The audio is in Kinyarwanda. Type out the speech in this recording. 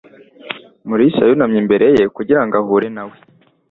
Mulisa yunamye imbere ye kugira ngo ahure na we.